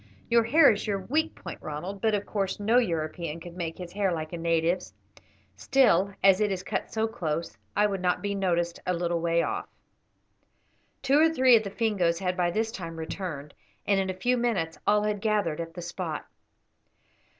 "Your hair is your weak point, Ronald; but, of course, no European could make his hair like a native's. Still, as it is cut so close, it would not be noticed a little way off." Two or three of the Fingoes had by this time returned, and in a few minutes all had gathered at the spot.